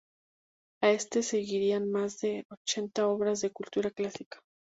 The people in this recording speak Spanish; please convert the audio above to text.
A este seguirían más de ochenta obras de cultura clásica.